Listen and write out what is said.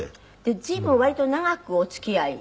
随分割と長くお付き合い。